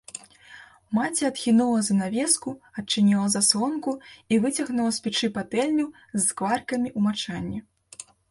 Маці адхінула занавеску, адчыніла заслонку і выцягнула з печы патэльню з скваркамі ў мачанні.